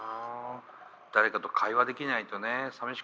誰かと会話できないとね寂しくなるしね。